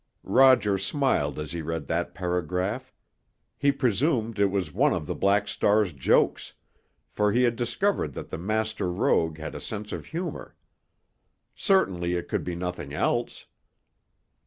Roger smiled as he read that paragraph; he presumed it was one of the Black Star's jokes—for he had discovered that the master rogue had a sense of humor. Certainly it could be nothing else.